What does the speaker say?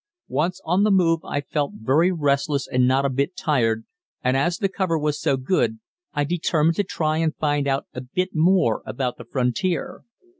Once on the move I felt very restless and not a bit tired, and as the cover was so good I determined to try and find out a bit more about the frontier.